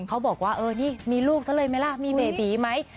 เขาบอกว่าเออนี่มีลูกซะเลยไหมล่ะมีเบบีไหม